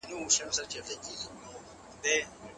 روښانه فکر بریالیتوب نه کموي.